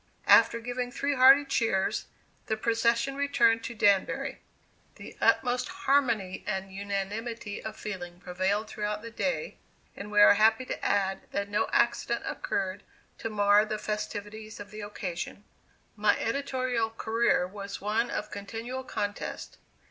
After giving three hearty cheers, the procession returned to Danbury. The utmost harmony and unanimity of feeling prevailed throughout the day, and we are happy to add that no accident occurred to mar the festivities of the occasion." My editorial career was one of continual contest.